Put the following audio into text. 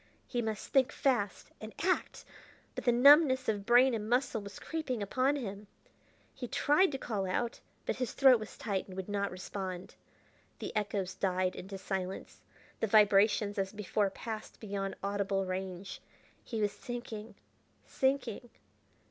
He must think fast and act! but the numbness of brain and muscle was creeping upon him. He tried to call out, but his throat was tight, and would not respond. The echoes died into silence; the vibrations, as before, passed beyond audible range. He was sinking ... sinking....